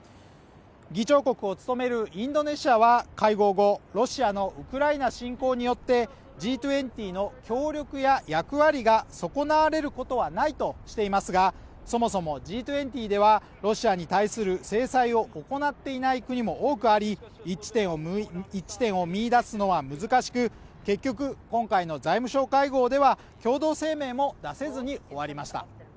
議長国を務めるインドネシアは会合後ロシアのウクライナ侵攻によってＧ２０への協力や役割が損なわれることはないとしていますがそもそもＧ２０ではロシアに対する制裁を行っていない国も多くあり一致点を見出すのは難しく結局今回の財務相会合では共同声明も出せずに終わりました